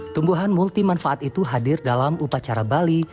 tumbuhan multi manfaat itu hadir dalam upacara bali